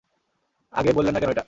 আগে বললে না কেন এটা?